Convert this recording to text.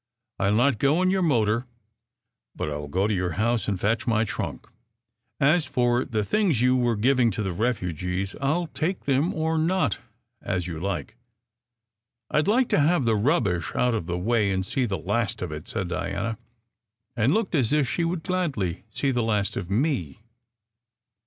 I ll not go in your motor, but I ll go to your house and fetch my trunk. As for the things you were giving to the refugees, I ll take them or not, as you like." " I d like to have the rubbish out of the way and see the last of it," said Diana; and looked as if she would gladly see the last of me.